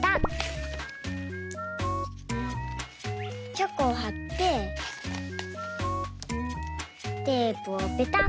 チョコをはってテープをペタッ。